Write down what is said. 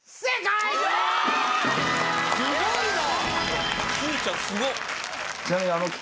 すごいな。